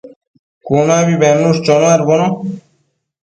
cunabi bednush chonuadbono